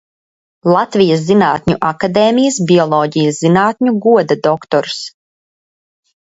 Latvijas Zinātņu akadēmijas bioloģijas zinātņu goda doktors.